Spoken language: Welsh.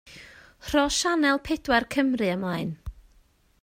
Rho sianel pedwar Cymru ymlaen